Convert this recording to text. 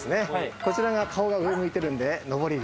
こちらが顔が上を向いているんで昇り龍。